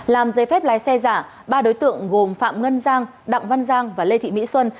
làm giấy phép lái xe giả ba đối tượng gồm phạm ngân giang đặng văn giang và lê thị mỹ xuân